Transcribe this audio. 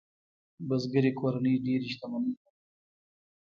بزګري کورنۍ ډېرې شتمنۍ لرلې.